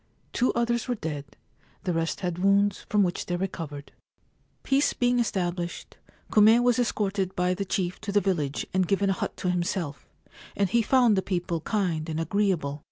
Two others were dead. The rest had wounds from which they recovered. Peace being established, Kume was escorted by the chief to the village and given a hut to himself, and he found the people kind and agreeable.